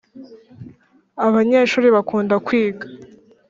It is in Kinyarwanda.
abanyeshuri bakunda kwiga